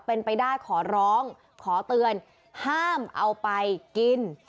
เป็นไปได้ขอร้องขอเตือนห้ามเอาไปกิน